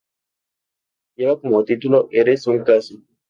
Lleva como título Eres un caso.